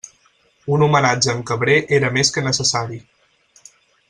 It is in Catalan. Un homenatge a en Cabré era més que necessari.